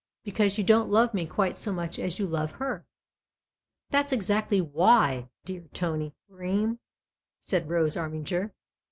Because you don't love me quite so much as you love her. That's exactly ' why,' dear Tony Bream !" said Rose Armiger.